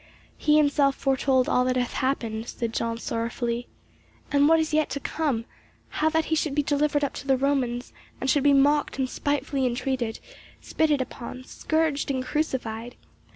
"He himself foretold all that hath happened," said John sorrowfully, "and what is yet to come; how that he should be delivered up to the Romans, and should be mocked and spitefully entreated, spitted upon, scourged and crucified.